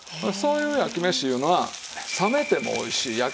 そういう焼き飯いうのは冷めてもおいしい。